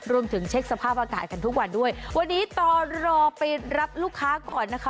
เช็คสภาพอากาศกันทุกวันด้วยวันนี้ต่อรอไปรับลูกค้าก่อนนะคะ